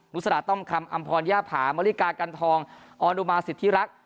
สระต้อมคำอำพรย่าผามริกากันทองออนุมาสิทธิรักษ